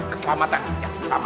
keselamatan yang utama